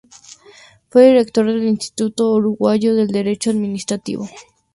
Fue director del Instituto Uruguayo de Derecho Administrativo.